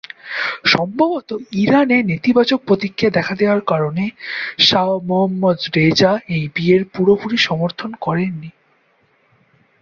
সম্ভবত ইরানে নেতিবাচক প্রতিক্রিয়া দেখা দেওয়ার কারণে শাহ মোহাম্মদ রেজা এই বিয়ের পুরোপুরি সমর্থন করেন নি।